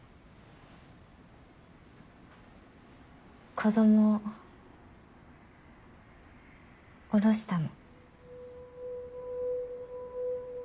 子供おろしたの。